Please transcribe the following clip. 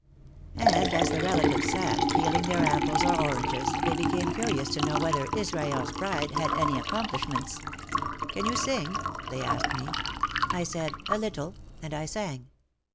And as the relatives sat peeling their apples or oranges they became curious to know whether Israel's bride had any accom plishments. "Can you sing?" they asked me. I said, "A little," and I sang.